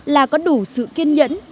là có đủ sự kiên nhẫn